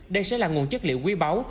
đây sẽ là nguồn chất liệu quý báu